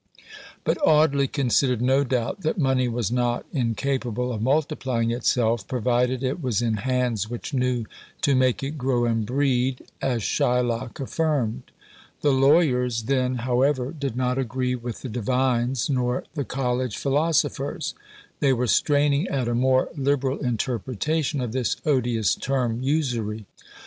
But Audley considered no doubt that money was not incapable of multiplying itself, provided it was in hands which knew to make it grow and "breed," as Shylock affirmed. The lawyers then, however, did not agree with the divines, nor the college philosophers; they were straining at a more liberal interpretation of this odious term "Usury."